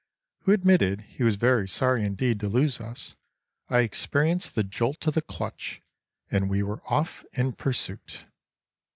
(who admitted he was very sorry indeed to lose us), I experienced the jolt of the clutch—and we were off in pursuit.